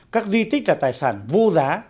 các di tích là tài sản vô giá